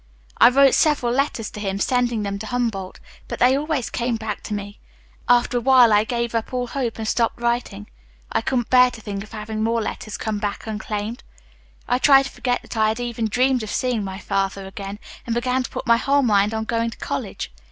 I wrote several letters to him, sending them to Humboldt, but they always came back to me. "After a while I gave up all hope and stopped writing. I couldn't bear to think of having more letters come back unclaimed. I tried to forget that I had even dreamed of seeing my father again, and began to put my whole mind on going to college.